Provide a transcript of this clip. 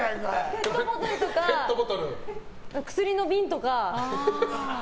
ペットボトルとか薬の瓶とか。